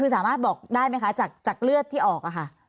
สามารถบอกได้ไหมคะจากเลือดที่ออก